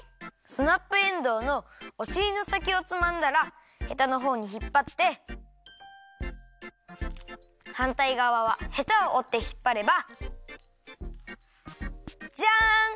スナップエンドウのおしりのさきをつまんだらヘタのほうにひっぱってはんたいがわはヘタをおってひっぱればじゃん！